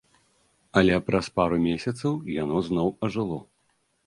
Але праз пару месяцаў яно зноў ажыло.